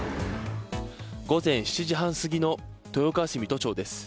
午前７時半過ぎの豊川市御津町です。